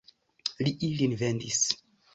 Li ilin vendis.